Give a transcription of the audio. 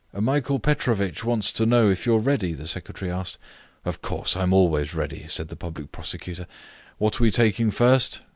"Michael Petrovitch wants to know if you are ready?" the secretary asked. "Of course; I am always ready," said the public prosecutor. "What are we taking first?"